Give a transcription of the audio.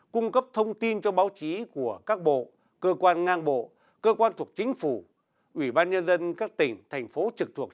cung cấp thông tin cho báo chí của các bộ cơ quan ngang bộ cơ quan thuộc chính phủ ủy ban nhân dân các tỉnh thành phố trực thuộc